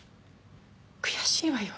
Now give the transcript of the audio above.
悔しいわよ。